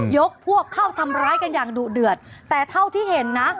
ยกพวกเข้าทำร้ายกันอย่างดุเดือดแต่เท่าที่เห็นนะ